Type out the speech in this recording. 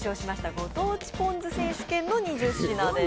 ご当地ポン酢選手権の２０品です。